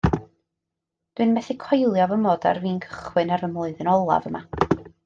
Dwi'n methu coelio fy mod ar fin cychwyn ar fy mlwyddyn olaf yma